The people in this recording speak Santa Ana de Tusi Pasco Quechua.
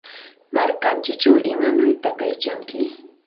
Markamsillaa, ¿imanawta kaykanki?